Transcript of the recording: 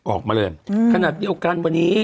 ออกมาเลยขนาดเดียวกันวันนี้